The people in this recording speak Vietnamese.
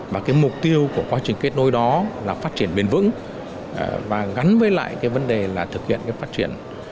và cái mục tiêu của quá trình kết nối đó là phát triển bền vững và gắn với lại cái vấn đề là thực hiện cái phát triển